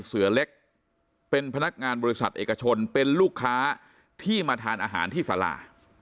เสือเล็กเป็นพนักงานบริษัทเอกชนเป็นลูกค้าที่มาทานอาหารที่สารา